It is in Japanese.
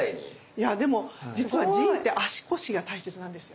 いやでも実は腎って足腰が大切なんですよ。